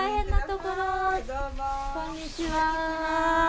こんにちは。